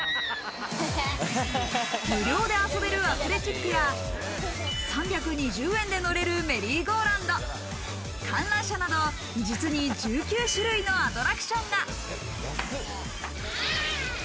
無料で遊べるアスレチックや３２０円で乗れるメリーゴーラウンド、観覧車など実に１９種類のアトラクションが。